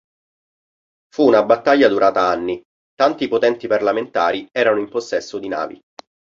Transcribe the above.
Fu una battaglia durata anni, tanti potenti parlamentari erano in possesso di navi.